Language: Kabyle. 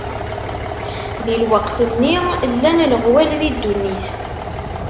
Di lweqt-nni, llan leɣwal di ddunit.